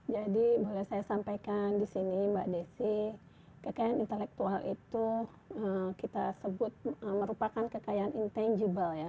jadi boleh saya sampaikan di sini mbak desi kekayaan intelektual itu kita sebut merupakan kekayaan intangible